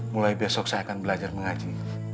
mulai besok saya akan belajar mengaji